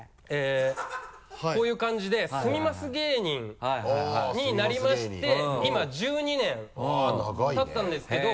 こういう感じで「住みます芸人」になりまして今１２年たったんですけど。